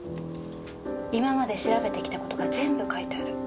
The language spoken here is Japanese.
今まで調べてきた事が全部書いてある。